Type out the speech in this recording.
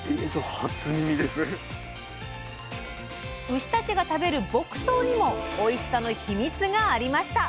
牛たちが食べる牧草にもおいしさのヒミツがありました！